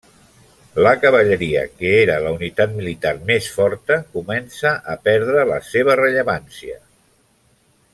La cavalleria, que era la unitat militar més forta, comença a perdre la seva rellevància.